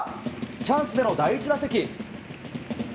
チャンスでの第１打席。